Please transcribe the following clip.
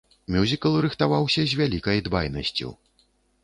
Мюзікл рыхтаваўся з вялікай дбайнасцю.